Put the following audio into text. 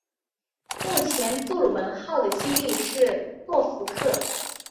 目前杜鲁门号的基地是诺福克。